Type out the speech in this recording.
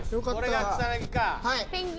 はい。